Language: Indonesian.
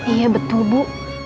iya betul bu